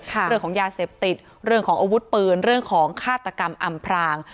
เรื่องของยาเสพติดเรื่องของอาวุธปืนเรื่องของฆาตกรรมอำพราง